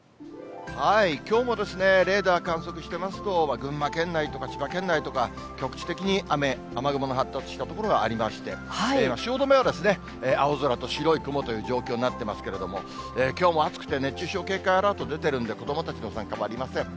きょうもですね、レーダー観測してますと、群馬県内とか千葉県内とか、局地的に雨、雨雲の発達した所がありまして、今、汐留は青空と白い雲という状況になってますけれども、きょうも暑くて熱中症警戒アラート出てるんで、子どもたちの参加もありません。